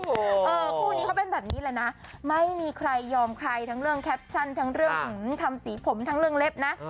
คู่นี้เขาเป็นแบบนี้แหละนะไม่มีใครยอมใครทั้งเรื่องแคปชั่นทั้งเรื่องของทำสีผมทั้งเรื่องเล็บนะ